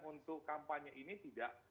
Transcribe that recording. untuk kampanye ini tidak